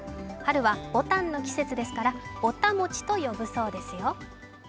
春はぼたんの季節ですから、ぼた餅と呼ぶそうですよ。